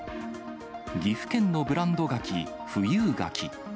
岐阜県のブランド柿、富有柿。